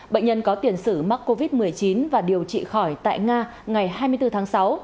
bệnh nhân có tiền sử mắc covid một mươi chín và điều trị khỏi tại nga ngày hai mươi bốn tháng sáu